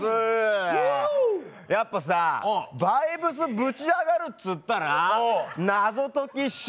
やっぱさ、バイブスぶち上がるっつったら、謎解きでしょ。